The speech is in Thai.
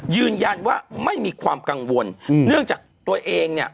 ยืนยันว่าไม่มีความกังวลเนื่องจากตัวเองเนี่ย